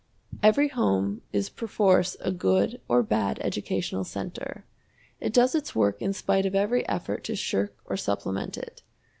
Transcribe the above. Every home is perforce a good or bad educational center. It does its work in spite of every effort to shirk or supplement it.